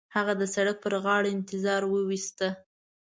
هغه د سړک پر غاړه انتظار وېسته.